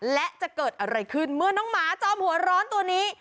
และจะเกิดอะไรขึ้นเมื่อน้องหมาจอมหัวร้อนตัวนี้